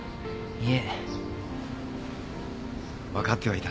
いえ。